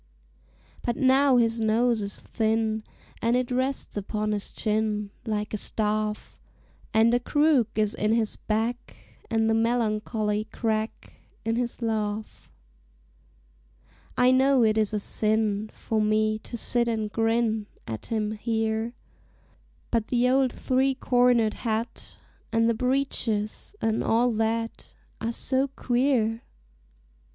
But now his nose is thin, And it rests upon his chin Like a staff; And a crook is in his back, And the melancholy crack In his laugh. I know it is a sin For me to sit and grin At him here, But the old three cornered hat, And the breeches, and all that, Are so queer!